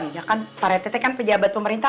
ya kan pak rtt kan pejabat pemerintah